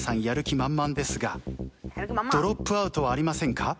やる気満々ですがドロップアウトはありませんか？